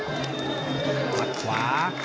กว่า